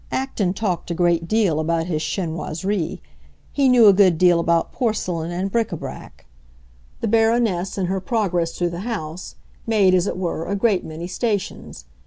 Acton talked a great deal about his chinoiseries; he knew a good deal about porcelain and bric à brac. The Baroness, in her progress through the house, made, as it were, a great many stations.